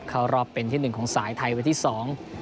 เข้ารอบเป็นที่หนึ่งของสายไทยวันที่สอง